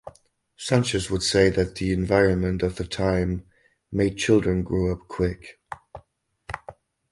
Sanchez would say that the environment of the time made children grow up quick.